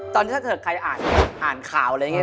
ตอนนี้ถ้าเกิดใครอ่านข่าวอะไรอย่างนี้